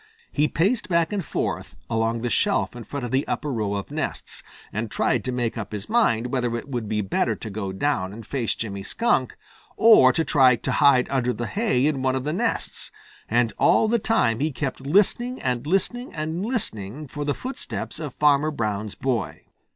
He paced back and forth along the shelf in front of the upper row of nests and tried to make up his mind whether it would be better to go down and face Jimmy Skunk or to try to hide under the hay in one of the nests, and all the time he kept listening and listening and listening for the footsteps of Farmer Brown's boy.